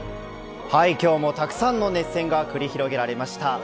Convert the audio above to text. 今日もたくさんの熱戦が繰り広げられました。